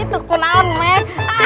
itu kunam meh